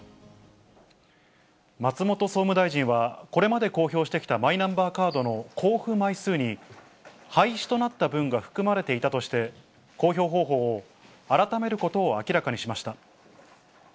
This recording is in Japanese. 松本総務大臣は、これまで公表してきたマイナンバーカードの交付枚数に、廃止となった分が含まれていたとして、公表方法を改めることを明らかにしました。